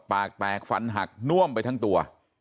ปากแตกฟันหักน่วมไปทั้งตัว